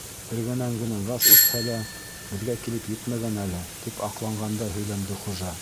— Эргәнән генә газ үтһә лә, беҙгә килеп етмәгән әле, — тип аҡланғандай һөйләнде хужа.